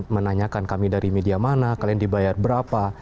menanyakan kami dari media mana kalian dibayar berapa